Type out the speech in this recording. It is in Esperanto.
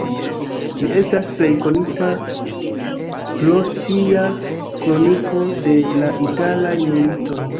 Li estas plej konita pro sia kroniko de la italaj militoj.